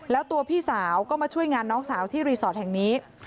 แล้วตัวพี่สาวก็มาช่วยงานน้องสาวที่รีสอร์ทแห่งนี้